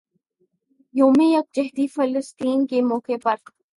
یوم یکجہتی فلسطین کے موقع پر